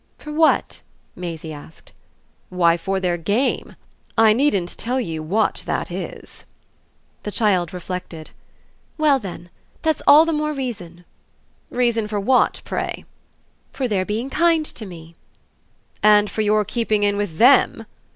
"For what?" Maisie asked. "Why, for their game. I needn't tell you what that is." The child reflected. "Well then that's all the more reason." "Reason for what, pray?" "For their being kind to me." "And for your keeping in with them?"